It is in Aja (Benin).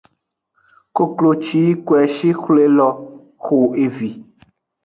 Koklo ci yi koeshi xwle lo xo evi.